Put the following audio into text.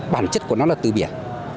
bản chất của nó là từ biển